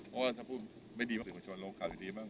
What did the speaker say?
เพราะว่าถ้าพูดไม่ดีสิ่งประชาชนโลกขาดอย่างดีมาก